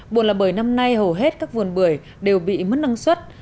buồn là bởi năm nay hầu hết các vườn bưởi đều bị mất năng suất